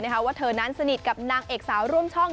ว่าเธอนั้นสนิทกับนางเอกสาวร่วมช่อง